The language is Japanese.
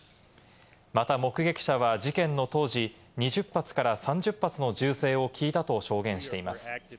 また目撃者は事件の当時、２０発から３０発の銃声を聞いたと証言しています。